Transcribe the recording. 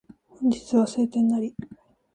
本日は晴天なり